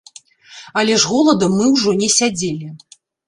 Але ж голадам мы ўжо не сядзелі.